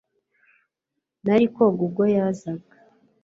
Nari koga ubwo yazaga